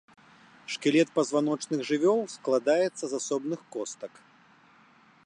Шкілет пазваночных жывёл складаецца з асобных костак.